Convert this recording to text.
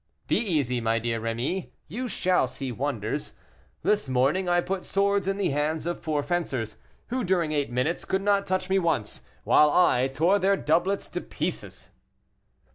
"Be easy, my dear Rémy, you shall see wonders. This morning I put swords in the hands of four fencers, who during eight minutes could not touch me once, while I tore their doublets to pieces."